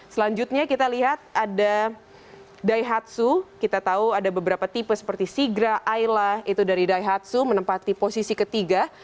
selanjutnya kita lihat ada daihatsu kita tahu ada beberapa tipe seperti sigra aila itu dari daihatsu menempati posisi ketiga